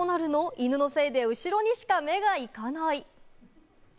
犬のせいで後ろにしか目がいかない。